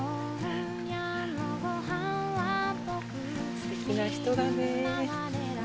すてきな人だね。